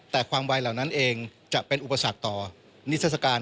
แต่ความไวเหล่านั้นเองจะเป็นอุปสรรคต่อนิทรศการ